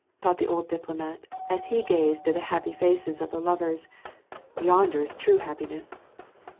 thought the old diplomat, as he gazed at the happy faces of the lovers: "yonder is true happiness